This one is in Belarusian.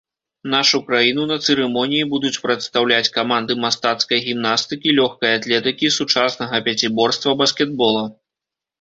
Нашу краіну на цырымоніі будуць прадстаўляць каманды мастацкай гімнастыкі, лёгкай атлетыкі, сучаснага пяціборства, баскетбола.